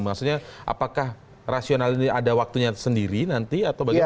maksudnya apakah rasional ini ada waktunya sendiri nanti atau bagaimana